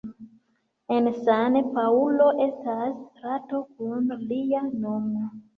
En San-Paŭlo estas strato kun lia nomo.